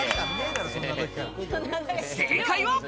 正解は？